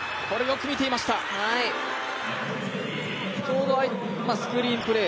ちょうどスクリーンプレー。